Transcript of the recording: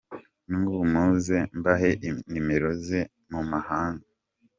N’ubu muze mbahe nimero ze mumuhamagare.